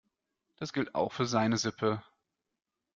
Das gilt auch für seine Sippe.